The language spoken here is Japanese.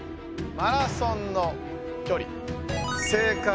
マラソンの距離正解は。